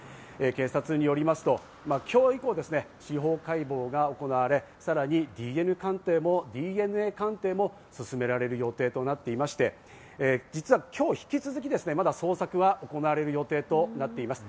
警察によりますと今日以降、司法解剖が行われ、さらにＤＮＡ鑑定も進められる予定となっていまして、実は今日引き続き、まだ捜索は行われる予定となっています。